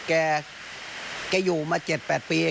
แกอยู่มา๗๘ปี